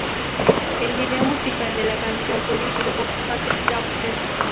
El video musical de la canción fue dirigido por Patrick Daughters.